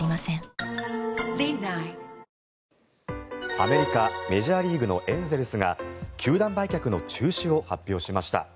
アメリカメジャーリーグのエンゼルスが球団売却の中止を発表しました。